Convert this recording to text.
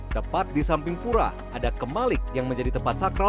tepat di samping pura ada kemalik yang menjadi tempat sakral